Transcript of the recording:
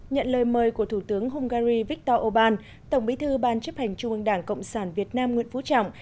nhận lời mời của thủ tướng hungary viktor orbán tổng bí thư ban chấp hành trung ương đảng cộng sản việt nam nguyễn phú trọng